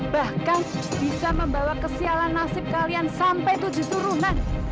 bahkan bisa membawa kesialan nasib kalian sampai tujuh turunan